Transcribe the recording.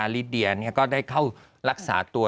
ลิเดียก็ได้เข้ารักษาตัว